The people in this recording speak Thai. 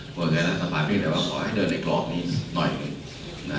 เพราะฉะนั้นสมภาษณ์พิเศษแหละว่าขอให้เดินในกรอบนี้หน่อยหนึ่ง